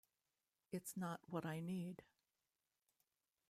It's not what I need.